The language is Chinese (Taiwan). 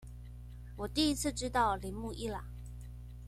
我第一次知道鈴木一朗